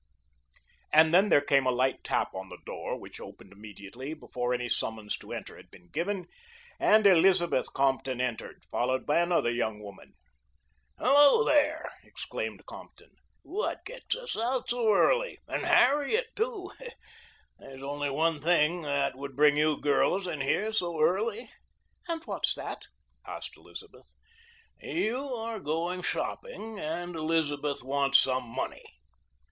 And then there came a light tap on the door, which opened immediately before any summons to enter had been given, and Elizabeth Compton entered, followed by another young woman. "Hello, there!" exclaimed Compton. "What gets us out so early? And Harriet too! There is only one thing that would bring you girls in here so early." "And what's that?" asked Elizabeth. "You are going shopping, and Elizabeth wants some money."